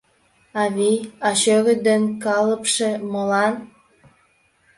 — Авий, а чӧгыт ден калыпше молан?